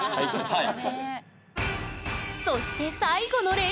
はい。